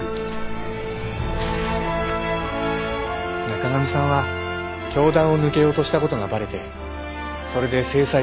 中上さんは教団を抜けようとしたことがバレてそれで制裁を受けたんです。